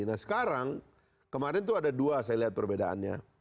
nah sekarang kemarin itu ada dua saya lihat perbedaannya